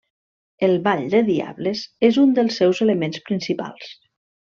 El Ball de Diables és un dels seus elements principals.